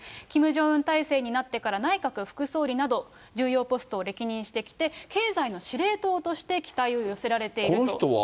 キム・ジョンウン体制になってから内閣副総理など、重要ポストを歴任してきて、経済の司令塔として期待を寄せられていると。